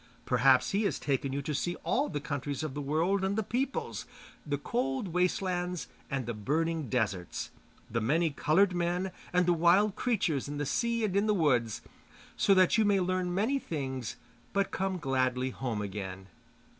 Perhaps he has taken you to see all the countries of the world and the peoples, the cold waste lands and the burning deserts, the many coloured men and the wild creatures in the sea and in the woods, so that you may earn many things, but come gladly home again.